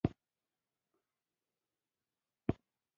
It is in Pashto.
وزې له وچې ځمکې ښه خواړه پیدا کوي